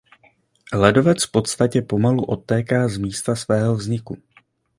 Ledovec v podstatě pomalu odtéká z místa svého vzniku.